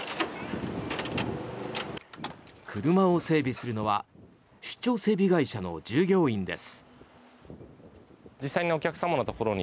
車を整備するのは出張整備会社の従業員です。